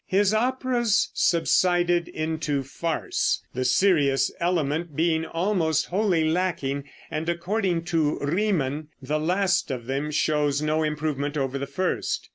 His operas subsided into farce, the serious element being almost wholly lacking, and, according to Riemann, the last of them shows no improvement over the first.